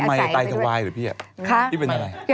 ทำไมไตจะไหวหรอพี่อะเว้ยเป็นไร